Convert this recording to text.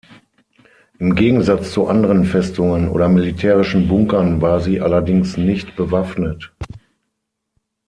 Im Gegensatz zu anderen Festungen oder militärischen Bunkern war sie allerdings nicht bewaffnet.